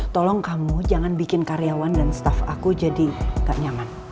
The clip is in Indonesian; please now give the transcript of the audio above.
tolong kamu jangan bikin karyawan dan staff aku jadi gak nyaman